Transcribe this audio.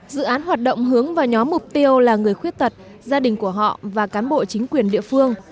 dự án hoạt động hướng vào nhóm mục tiêu là người khuyết tật gia đình của họ và cán bộ chính quyền địa phương